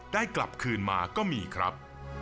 กลับคืนมาก็มีครับ